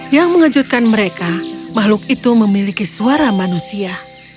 yang mengejutkan mereka makhluk itu memiliki suara manusia